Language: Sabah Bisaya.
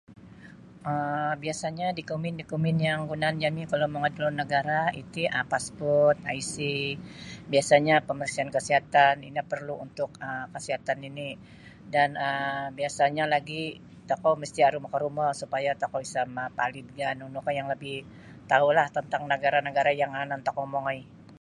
um Biasanya dikumen-dikumen kagunaan jami kalau mongoi da luar nagara iti um passport IC biasanyo pamariksaan kasiatan ini perlu untuk um kasiatan nini dan um biasanya lagi tokou mesti aru maka rumo supaya tokou isa mapalid ka nunu ka yang labi tau lah tantang nagara-nagara yang yanan tokou mongoi.